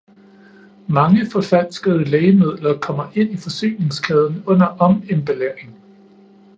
Mange forfalskede lægemidler kommer ind i forsyningskæden under omemballering.